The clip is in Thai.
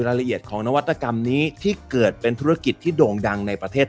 รายละเอียดของนวัตกรรมนี้ที่เกิดเป็นธุรกิจที่โด่งดังในประเทศ